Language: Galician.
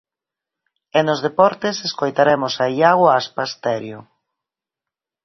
E nos deportes, escoitaremos a Iago Aspas, Terio.